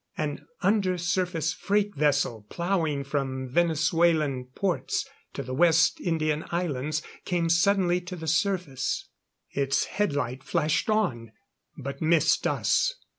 An under surface freight vessel, plowing from Venezuelan ports to the West Indian Islands, came suddenly to the surface. Its headlight flashed on, but missed us.